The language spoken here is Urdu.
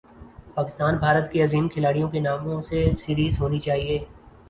پاکستان بھارت کے عظیم کھلاڑیوں کے ناموں سے سیریز ہونی چاہیے